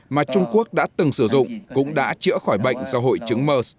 mà trung quốc đã từng sử dụng cũng đã chữa khỏi bệnh do hội chứng mers